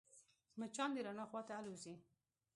مچان د رڼا خواته الوزي